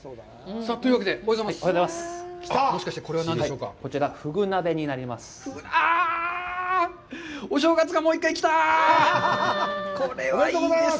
さあ、というわけで、おはようございます。